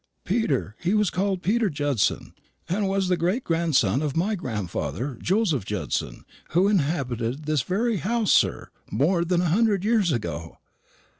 "Peter. He was called Peter Judson; and was the great grandson of my grandfather, Joseph Judson, who inhabited this very house, sir, more than a hundred years ago.